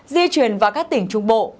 di chuyển vào các tỉnh trung bộ